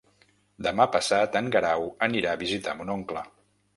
Demà passat en Guerau anirà a visitar mon oncle.